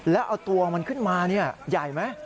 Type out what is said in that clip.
แล้วเอาตัวมันขึ้นมาใหญ่ไหม